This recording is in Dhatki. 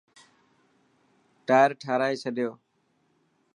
ٽائر ٺارائي ڇڏيو؟